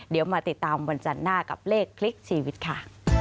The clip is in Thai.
เดี๋ยวมาติดตามวันจันทร์หน้ากับเลขคลิกชีวิตค่ะ